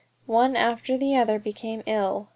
One after the other became ill.